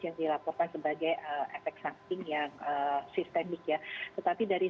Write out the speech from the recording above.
yang dilaporkan sebagai efek samping yang sistemik ya tetapi dari